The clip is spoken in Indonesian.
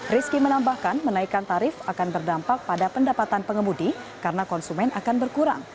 rizky menambahkan menaikkan tarif akan berdampak pada pendapatan pengemudi karena konsumen akan berkurang